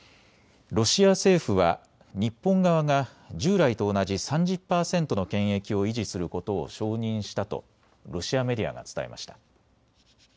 ロシア政府は日本側が従来と同じ３０％の権益を維持することを承認したとロシアメディアが伝えました。